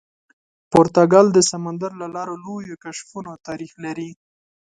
پرتګال د سمندر له لارې لویو کشفونو تاریخ لري.